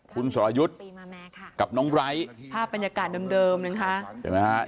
คุณสอรยุทธ์กับน้องไร้ภาพบรรยากาศเดิมนะครับ